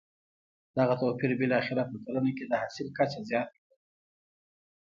دغه توپیر بالاخره په کرنه کې د حاصل کچه زیانه کړه.